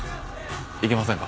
いけませんか？